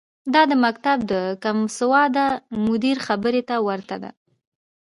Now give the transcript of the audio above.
دا د مکتب د کمسواده مدیر خبرې ته ورته ده.